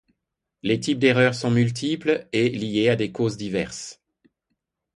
Les types d'erreurs sont multiples, et liées à des causes diverses.